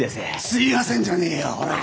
すいやせんじゃねえよオラ。